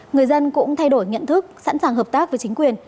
người dân cũng thay đổi nhận thức sẵn sàng hợp tác với chính quyền